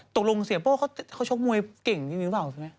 ตกลงเศรษฐ์โบ้เขาช็อกมวยเก่งอย่างนี้หรือได้หนึ่งป่าว